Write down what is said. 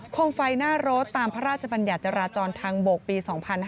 มไฟหน้ารถตามพระราชบัญญัติจราจรทางบกปี๒๕๕๙